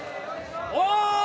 お！